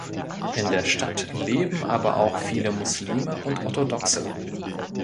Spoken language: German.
In der Stadt leben aber auch viele Muslime und Orthodoxe.